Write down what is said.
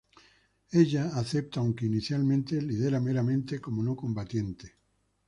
Ella acepta, aunque inicialmente lidera meramente como no combatiente.